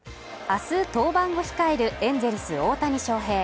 明日登板を控えるエンゼルス大谷翔平